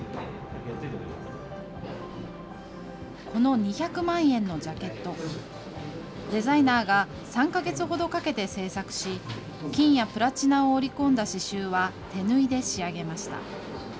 この２００万円のジャケット、デザイナーが３か月ほどかけて制作し、金やプラチナを織り込んだ刺しゅうは、手縫いで仕上げました。